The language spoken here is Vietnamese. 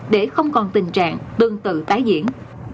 để không còn tình trạng tương tự tái diễn